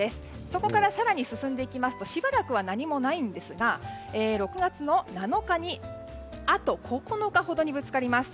そこから更に進んでいきますとしばらくは何もないんですが６月７日にあと９日ほどにぶつかります。